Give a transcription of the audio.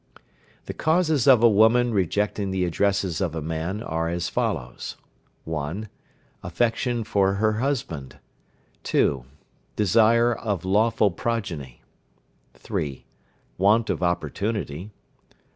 The causes of a woman rejecting the addresses of a man are as follows: 1. Affection for her husband. 2. Desire of lawful progeny. 3. Want of opportunity.